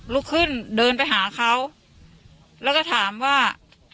ลุกขึ้นเดินไปหาเขาแล้วก็ถามว่า